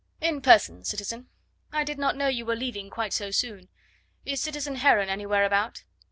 "In person, citizen. I did not know you were leaving quite so soon. Is citizen Heron anywhere about?"